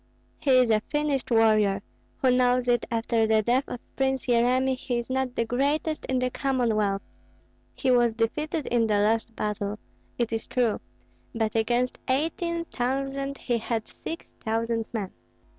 "He is a finished warrior; who knows if after the death of Prince Yeremi he is not the greatest in the Commonwealth? He was defeated in the last battle, it is true; but against eighteen thousand he had six thousand men.